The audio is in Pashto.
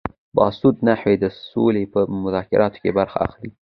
باسواده نجونې د سولې په مذاکراتو کې برخه اخلي.